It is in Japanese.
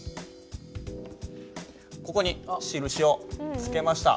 ここに印を付けました。